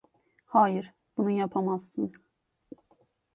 Hayır, bunu yapamazsın.